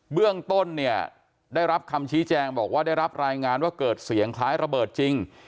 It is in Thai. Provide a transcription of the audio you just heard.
เบื้องต้นเนี่ยได้รับคำชี้แจงบอกว่าได้รับรายงานว่าเกิดเสียงคล้ายระเบิดจริง